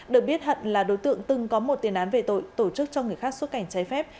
được biết hận là đối tượng từng có một tiền án về tội tổ chức cho người khác xuất cảnh trái phép